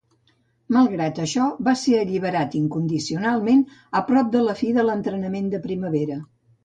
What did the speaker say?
Malgrat això, va ser alliberat incondicionalment a prop de la fi de l'entrenament de primavera.